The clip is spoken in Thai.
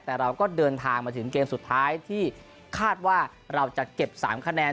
แต่เราก็เดินทางมาถึงเกมสุดท้ายที่คาดว่าเราจะเก็บ๓คะแนน